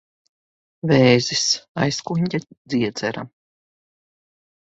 Vēzis. Aizkuņģa dziedzera.